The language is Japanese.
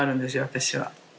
私は。